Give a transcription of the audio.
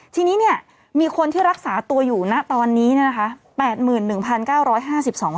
ทีนี้เนี่ยมีคนที่รักษาตัวอยู่ณตอนนี้เนี่ยนะคะ